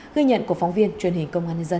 ghi nhận của phóng viên truyền hình công an nhân dân